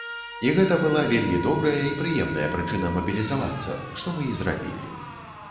І гэта была вельмі добрая і прыемная прычына мабілізавацца, што мы і зрабілі.